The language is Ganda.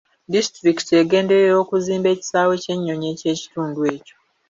Disitulikiti egenderera okuzimba ekisaawe ky'ennyonyi eky'ekitundu ekyo.